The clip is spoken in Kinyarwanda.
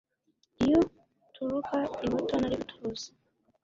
iyo uturuka i buto nari gutuza